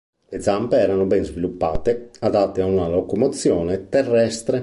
Le zampe erano ben sviluppate, adatte a una locomozione terrestre.